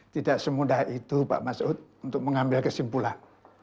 tidak semudah itu pak mas ud untuk mengambil kesimpulan